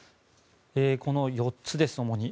この４つです、主に。